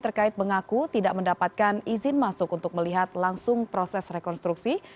terkait mengaku tidak mendapatkan izin masuk untuk melihat langsung proses rekonstruksi